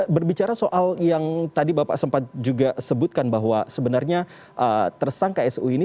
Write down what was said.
berbicara soal yang tadi bapak sempat juga sebutkan bahwa sebenarnya tersangka su ini